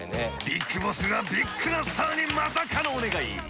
ビッグボスがビッグなスターにまさかのお願い。